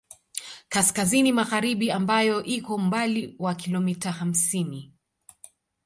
Kaskazini magharibi ambayo iko umbali wa kilomita hamsini